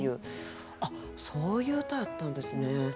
あっそういう歌やったんですね。